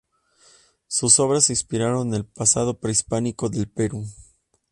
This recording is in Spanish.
Sus obras se inspiraron en el pasado prehispánico del Perú.